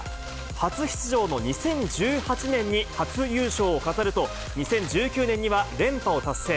初出場の２０１８年に初優勝を飾ると、２０１９年には連覇を達成。